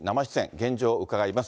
現状を伺います。